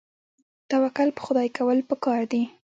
توکل په خدای کول پکار دي